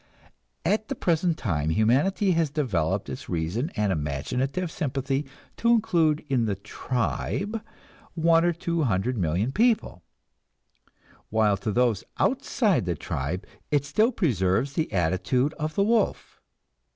At the present time humanity has developed its reason and imaginative sympathy to include in the "tribe" one or two hundred million people; while to those outside the tribe it still preserves the attitude of the wolf.